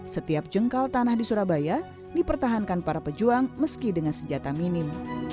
setiap jengkal tanah di surabaya dipertahankan para pejuang meski dengan senjata minim